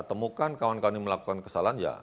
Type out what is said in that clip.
temukan kawan kawan yang melakukan kesalahan ya